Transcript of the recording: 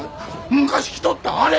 昔着とったあれ！